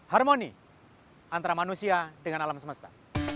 harmoni antara manusia dengan alam semesta